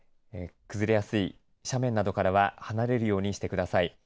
崩れやすい斜面などからは離れるようにしてください。